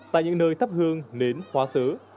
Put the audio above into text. tại những nơi thấp hương nến hóa sứ